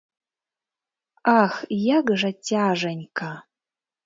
Ах, як жа цяжанька!